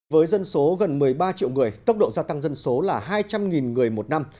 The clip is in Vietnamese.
với dân số gần một mươi ba triệu người tốc độ gia tăng dân số là hai trăm linh người một năm